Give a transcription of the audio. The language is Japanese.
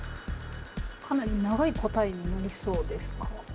かなり長い答えになりそうですか？